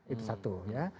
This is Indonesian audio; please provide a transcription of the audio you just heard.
itu satu ya